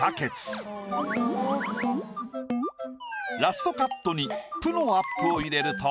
ラストカットに「プ」のアップを入れると。